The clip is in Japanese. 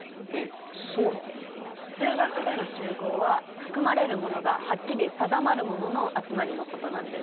数学での集合は含まれるものがはっきり定まるものの集まりのことなんです。